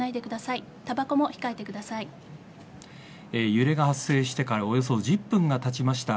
揺れが発生してからおよそ１０分がたちました。